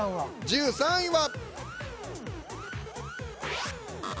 １２位は。